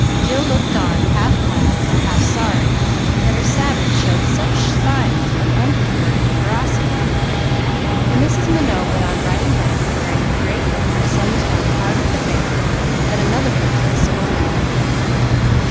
Jill looked on, half glad, half sorry that her savage showed such signs of unconverted ferocity, and Mrs. Minot went on writing letters, wearing the grave look her sons found harder to bear than another person's scolding.